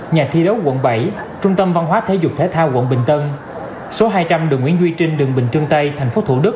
nhà thi đấu quận bảy trung tâm văn hóa thể dục thể thao quận bình tân